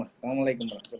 assalamualaikum pak menteri